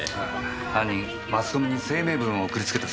犯人マスコミに声明文を送りつけたそうですよ。